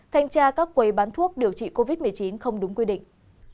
thanh tra các quầy bán thuốc điều trị covid một mươi chín không đúng quy định